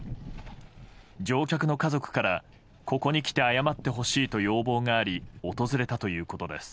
乗客の家族からここに来て謝ってほしいと要望があり訪れたということです。